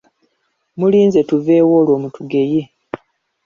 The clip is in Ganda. Muliinze tuveewo olwo mutugeye!